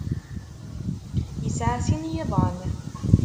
Yesɛa sin n yiḍan.